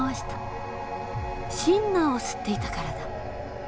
シンナーを吸っていたからだ。